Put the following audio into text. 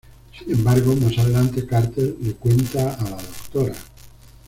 Sin embargo, más adelante, Carter le cuenta a la Dra.